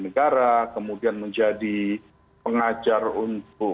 negara kemudian menjadi pengajar untuk